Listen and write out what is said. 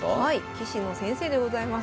棋士の先生でございます。